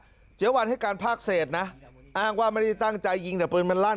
บอกว่าเดี๋ยววันให้การพากเศษนะอ้างว่าไม่ได้ตั้งใจยิงแต่ปืนมันรั่น